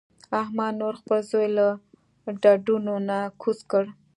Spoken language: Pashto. احمد نور خپل زوی له ډډو نه کوز کړ.